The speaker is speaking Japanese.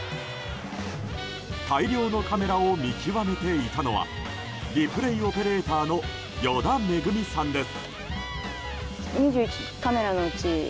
大量のカメラを見極めていたのはリプレイオペレーターの依田めぐみさんです。